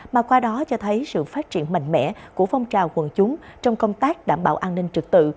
mà qua đó cho thấy sự phát triển mạnh mẽ của phong trào quần chúng trong công tác đảm bảo an ninh trực tự